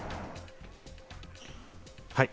はい。